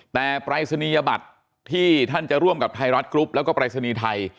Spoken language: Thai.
แต่ปรายศนียบัตรที่ท่านจะร่วมกับไทยรัฐกรุ๊ปแล้วก็ปรายศนีย์ไทย